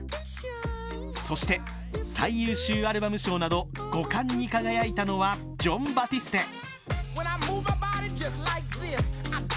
そして、最優秀アルバム賞など５冠に輝いたのはジョン・バティステ。